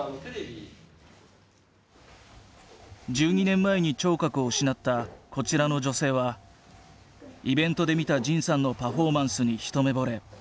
１２年前に聴覚を失ったこちらの女性はイベントで見た仁さんのパフォーマンスに一目ぼれ。